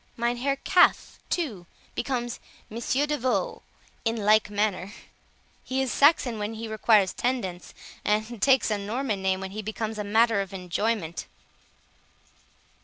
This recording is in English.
Mynheer Calf, too, becomes Monsieur de Veau in the like manner; he is Saxon when he requires tendance, and takes a Norman name when he becomes matter of enjoyment."